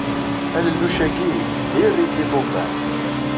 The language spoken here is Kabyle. Alelluc agi d-irri-t i lṭufan!